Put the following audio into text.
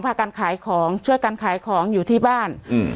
พากันขายของช่วยกันขายของอยู่ที่บ้าน